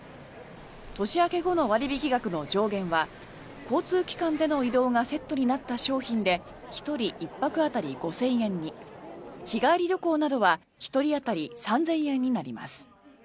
年明け後の割引額の上限は交通機関での移動がセットになった商品で１人１泊当たり５０００円に日帰り旅行などは１人当たり３０００円になります。